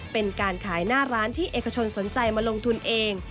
เป็นการขายหน้าร้านที่เอกชนสนใจมาลงทุนเอง